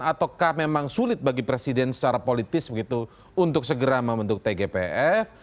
ataukah memang sulit bagi presiden secara politis begitu untuk segera membentuk tgpf